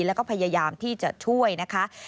แล้วก็พยายามที่จะช่วยนะคะ